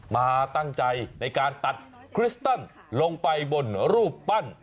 มาตั้งใจในการตัดคริสตันลงไปบนรูปปั้น